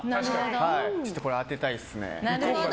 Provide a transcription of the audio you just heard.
これ、当てたいですね。